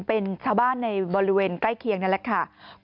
เป็นชาวบ้านในบริเวณใกล้เคียงนั่นแหละค่ะ